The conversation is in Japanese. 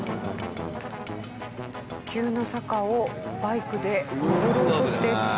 急な坂をバイクで上ろうとして。